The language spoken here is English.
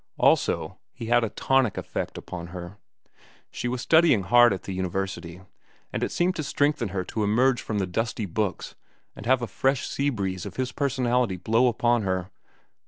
Also, he had a tonic effect upon her. She was studying hard at the university, and it seemed to strengthen her to emerge from the dusty books and have the fresh sea breeze of his personality blow upon her.